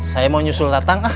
saya mau nyusul datang ah